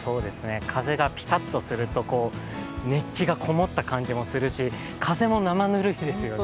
風がぴたっとすると、熱気がこもった感じがするし、風も生ぬるいですよね。